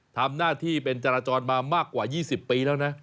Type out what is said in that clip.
ทำหน้าที่เป็นจราจรมามากกว่า๒๐ปีแล้วนะ